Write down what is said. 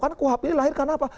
karena kuhab ini lahir karena apa